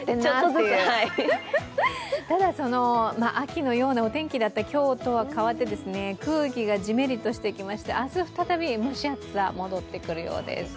ただ、秋のようなお天気だった今日とは変わって空気がジメリとしてきまして、明日再び蒸し暑さ、戻ってくるようです。